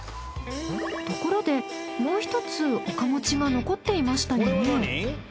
ところでもうひとつオカモチが残っていましたよね。